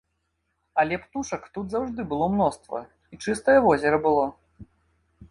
Але птушак тут заўжды было мноства і чыстае возера было.